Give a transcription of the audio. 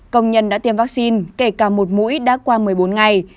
công nhân đã tiêm vaccine kể cả một mũi đã qua một mươi bốn ngày